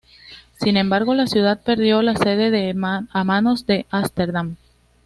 Sin embargo la ciudad perdió la sede a manos de Ámsterdam.